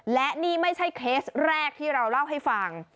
และนี่ไม่ใช่เคสแรกที่เราเล่าให้ฟัง